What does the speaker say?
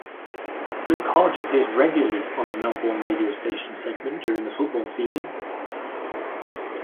Luke Hodge appears regularly on a Melbourne radio station segment during the football season.